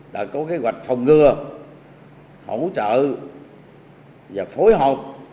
đã có kế hoạch phòng ngừa hỗ trợ và phối hợp